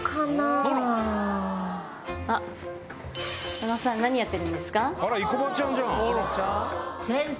野呂さん何やってるんですか？